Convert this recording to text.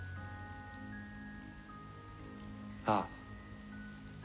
ああ。